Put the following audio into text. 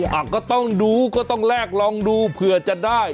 อ่ะก็ต้องดูก็ต้องแลกลองดูเผื่อจะได้